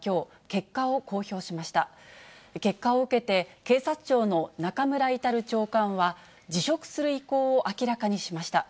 結果を受けて、警察庁の中村格長官は、辞職する意向を明らかにしました。